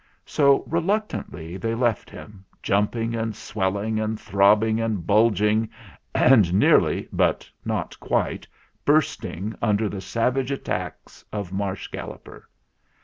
So reluctantly they left him, jumping and swelling and throbbing and bulging, and nearly, but not quite, bursting under the savage attacks of Marsh Galloper.